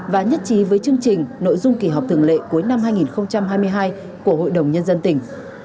và nhất trí với chương trình nội dung kỳ họp thường lệ cuối năm hai nghìn hai mươi hai của hội đồng nhân dân tỉnh